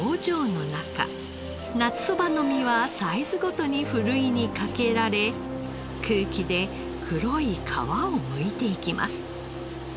夏そばの実はサイズごとにふるいにかけられ空気で黒い皮をむいていきます。